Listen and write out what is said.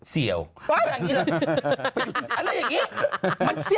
เสี่ยวแบบนี้แหละ